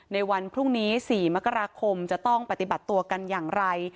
ในวันพรุ่งนี้๔มกราคมจะต้องปฏิบัติตัวกันอย่างไร